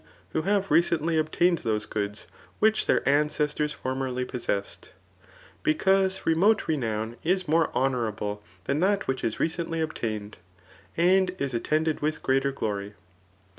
wbcr have recently obtained those goods which their ancestors formerly possessed ;3 because remote renown is more honourable than that which is recently obtamed, and is attended with greater glory.